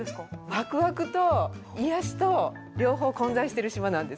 ワクワクと癒しと両方混在している島なんです。